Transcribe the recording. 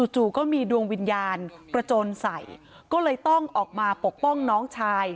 จู่ก็มีดวงวิญญาณกระโจนใส่ก็เลยต้องออกมาปกป้องน้องชาย